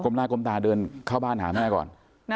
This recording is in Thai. หน้าก้มตาเดินเข้าบ้านหาแม่ก่อน